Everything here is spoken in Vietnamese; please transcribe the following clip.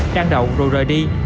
trang động rồi rời đi